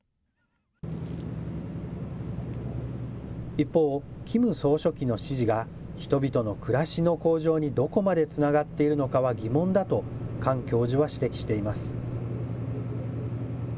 一方、キム総書記の指示が人々の暮らしの向上にどこまでつながっているのかは疑問だとカン教授は指摘しています。